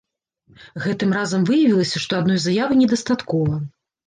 Гэтым разам выявілася, што адной заявы недастаткова.